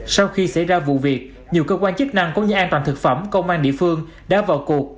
sau khi xảy ra vụ việc nhiều cơ quan chức năng cũng như an toàn thực phẩm công an địa phương đã vào cuộc